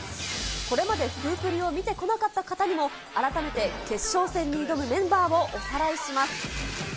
これまでフープリを見てこなかった方にも、改めて決勝戦に挑むメンバーをおさらいします。